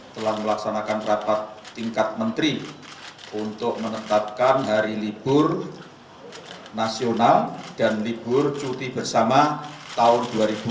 telah melaksanakan rapat tingkat menteri untuk menetapkan hari libur nasional dan libur cuti bersama tahun dua ribu dua puluh